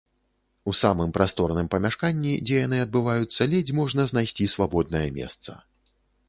У самым прасторным памяшканні, дзе яны адбываюцца, ледзь можна знайсці свабоднае месца.